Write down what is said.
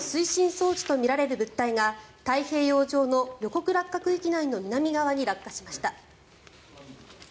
装置とみられる物体が太平洋上の予告落下区域内の南側に落下しました。